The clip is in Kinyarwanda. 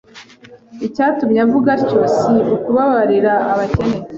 Icyatumye avuga atyo, si ukubabarira abakene